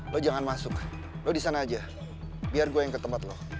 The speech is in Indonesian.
lo jangan masuk lo di sana aja biar gue yang ke tempat lo